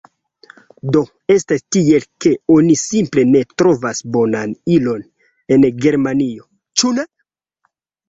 Do, estas tiel, ke oni simple ne trovas bonan ilon en Germanio, ĉu ne?